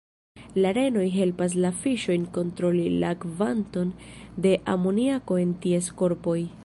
La renoj helpas la fiŝojn kontroli la kvanton de amoniako en ties korpoj.